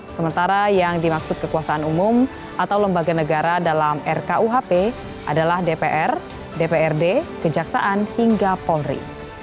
sementara yang dimaksud kekuasaan umum atau lembaga negara dalam rkuhp adalah dpr dprd kejaksaan hingga polri